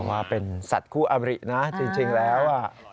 ว่าเป็นสัตว์คู่อบรินะจริงแล้ว